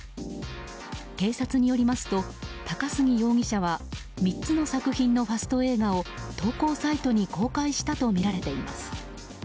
警察によりますと、高杉容疑者は３つの作品のファスト映画を投稿サイトに公開したとみられています。